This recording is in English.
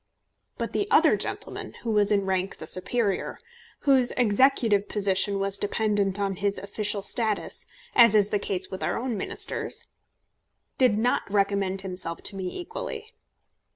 But the other gentleman, who was in rank the superior, whose executive position was dependent on his official status, as is the case with our own Ministers, did not recommend himself to me equally.